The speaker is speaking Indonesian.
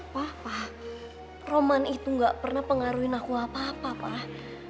pak roman itu gak pernah pengaruhi aku apa apa pak